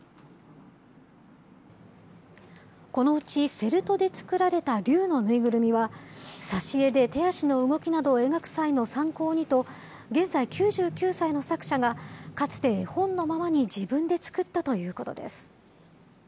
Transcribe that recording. このうちフェルトで作られたりゅうの縫いぐるみは、挿絵で手足の動きなどを描く際の参考にと、現在、９９歳の作者が、かつて絵本のままに自分で作ったということです。